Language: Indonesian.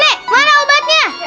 nenek mana obatnya